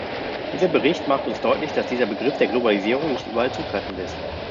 Dieser Bericht macht uns deutlich, dass dieser Begriff der Globalisierung nicht überall zutreffend ist.